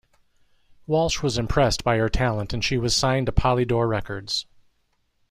Walsh was impressed by her talent and she was signed to Polydor Records.